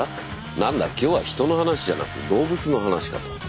なんだ今日はヒトの話じゃなくて動物の話かと。